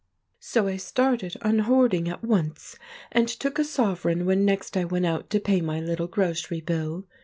"So I started unhoarding at once and took a sovereign when next I went out to pay my little grocery bill.